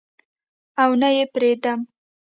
او نه یې پریدم